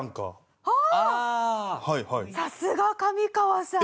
さすが上川さん！